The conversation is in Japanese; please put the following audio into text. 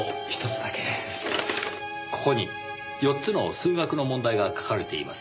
ここに４つの数学の問題が書かれています。